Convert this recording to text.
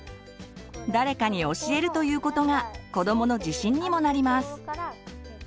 誰かに教えるということが子どもの自信にもなります。